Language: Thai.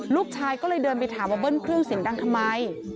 ลูกชายก็เลยเดินไปถามว่าเบิ้ลเครื่องเสียงดังทำไม